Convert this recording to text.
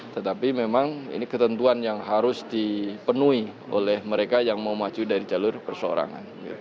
tetapi memang ini ketentuan yang harus dipenuhi oleh mereka yang mau maju dari jalur perseorangan